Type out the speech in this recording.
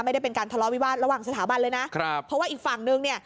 ไม่ได้เป็นการทะเลาะวิวาสระหว่างสถาบันเลยนะครับเพราะว่าอีกฝั่งนึงเนี่ย